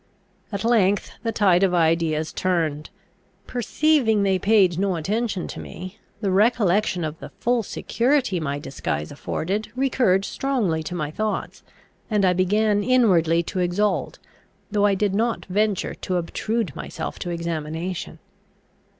At length the tide of ideas turned. Perceiving they paid no attention to me, the recollection of the full security my disguise afforded recurred strongly to my thoughts; and I began inwardly to exult, though I did not venture to obtrude myself to examination.